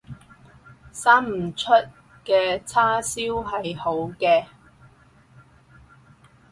生唔出嘅叉燒係好嘅